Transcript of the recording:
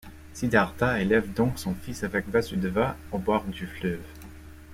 Siddhartha élève donc son fils avec Vasudeva, au bord du fleuve.